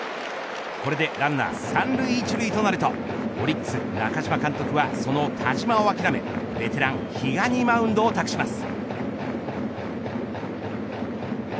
これでランナー３塁１塁となるとオリックス中嶋監督はその田嶋を諦めベテラン比嘉にマウンドを託します。